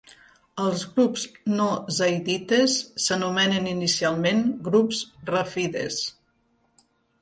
Els grups no zaidites s'anomenen inicialment grups rafides.